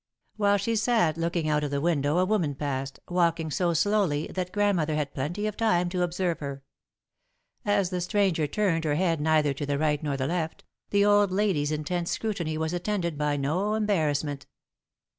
While she sat looking out of the window a woman passed, walking so slowly that Grandmother had plenty of time to observe her. As the stranger turned her head neither to the right nor the left, the old lady's intense scrutiny was attended by no embarrassment.